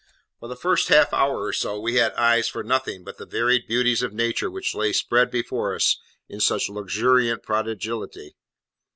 For the first half hour or so, we had eyes for nothing but the varied beauties of nature which lay spread before us in such luxuriant prodigality.